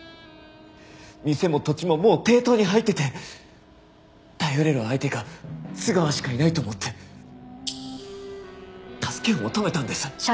店も土地ももう抵当に入ってて頼れる相手が津川しかいないと思って助けを求めたんです。